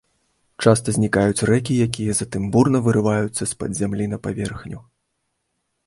Часта знікаюць рэкі, якія затым бурна вырываюцца з-пад зямлі на паверхню.